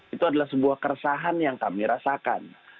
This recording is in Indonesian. itu adalah sebuah keresahan yang kami rasakan